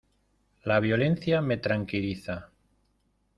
La violencia me tranquiliza.